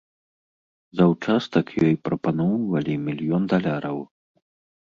За ўчастак ёй прапаноўвалі мільён даляраў.